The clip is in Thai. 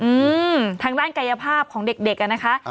อืมทางด้านกายภาพของเด็กนะคะ